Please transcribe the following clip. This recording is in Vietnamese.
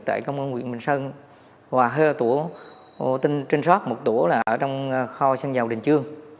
tại do từ dưới công ty môi trường là có hơi đồng chí